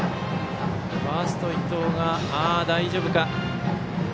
ファースト、伊藤大丈夫か。